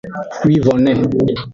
Wivonne.